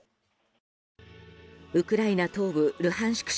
ウクライナ東部ルハンシク